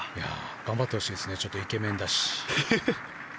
頑張ってほしいですねイケメンだし。